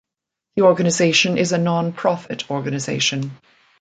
The organisation is a non-profit organisation.